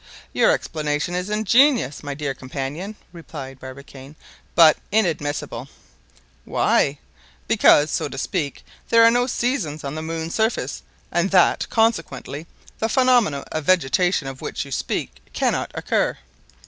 "Your explanation is ingenious, my dear companion," replied Barbicane, "but inadmissible." "Why?" "Because, so to speak, there are no seasons on the moon's surface, and that, consequently, the phenomena of vegetation of which you speak cannot occur."